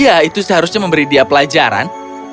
iya itu seharusnya memberi dia pelajaran